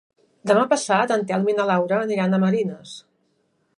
Demà passat en Telm i na Laura aniran a Marines.